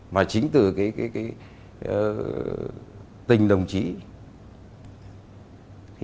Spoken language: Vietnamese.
và chính từ tình đồng chí